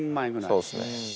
そうっすね。